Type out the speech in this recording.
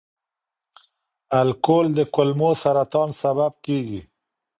الکول د کولمو سرطان سبب کېږي.